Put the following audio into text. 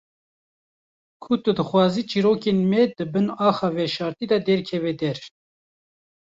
Ku tu dixwazî çîrokên me di bin axa veşartî de derkeve der.